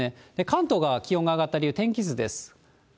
関東が気温が上がった理由、天気図です。